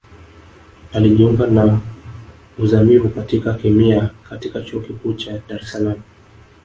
Alijiunga na Uzamivu katika Kemia katika Chuo Kikuu cha Dar es Salaam